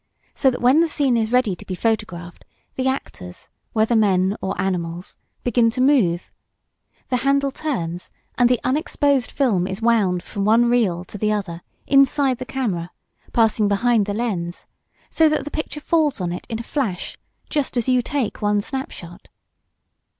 So that when the scene is ready to be photographed the actors, whether men or animals, begin to move. The handle turns, and the unexposed film is wound from one reel to the other, inside the camera, passing behind the lens, so that the picture falls on it in a flash, just as you take one snapshot.